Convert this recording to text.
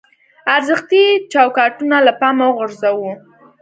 ارزښتي چوکاټونه له پامه وغورځوو.